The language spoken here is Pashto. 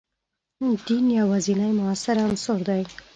دین یوازینی موثر عنصر نه دی.